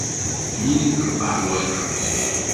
Bninet lqahwa-ya.